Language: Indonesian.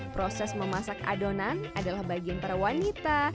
proses memasak adonan adalah bagian para wanita